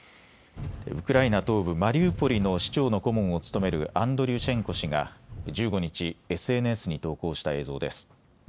ウクライナ東部マリウポリの市長の顧問を務めるアンドリュシェンコ氏が１５日、ＳＮＳに投稿した映像です。